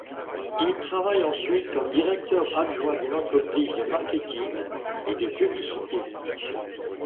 Il travaille ensuite comme directeur adjoint d'une entreprise de marketing et de publicité.